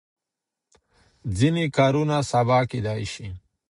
ځینې کارونه سبا کېدای شي.